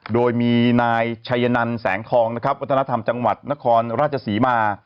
โดยมีนายชัยนันแสงทองนะครับวัฒนธรรมจังหวัดนครราชศรีมา